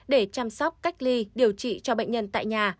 để chăm sóc cách ly điều trị cho bệnh nhân tại nhà